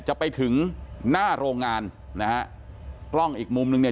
จะไปถึงหน้าโรงงานนะฮะกล้องอีกมุมนึงเนี่ย